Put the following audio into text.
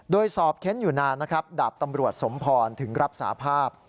โดยสอบเค้นอยู่นานนะครับดาบตำรวจสมพรถึงรับสาภาพ